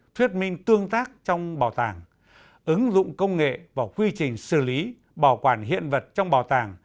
thuyết minh tương tác trong bảo tàng ứng dụng công nghệ vào quy trình xử lý bảo quản hiện vật trong bảo tàng